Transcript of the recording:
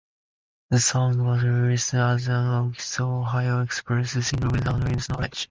The song was released as an Ohio Express single without Levine's knowledge.